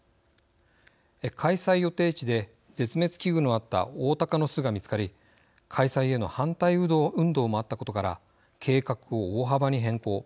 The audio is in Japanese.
開催予定地で絶滅危惧のあったオオタカの巣が見つかり開催への反対運動もあったことから計画を大幅に変更。